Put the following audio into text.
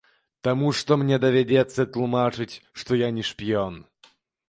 Таму што мне давядзецца тлумачыць, што я не шпіён.